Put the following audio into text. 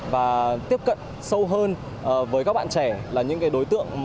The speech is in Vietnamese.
và tiếp cận sâu hơn với các bạn trẻ là những đối tượng